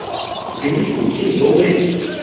寻属靖州卫。